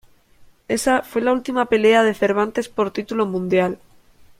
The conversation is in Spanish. Esa fue la última pelea de Cervantes por título mundial.